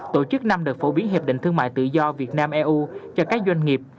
tổ chức năm đợt phổ biến hiệp định thương mại tự do việt nam eu cho các doanh nghiệp